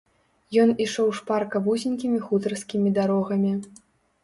Ён ішоў шпарка вузенькімі хутарскімі дарогамі.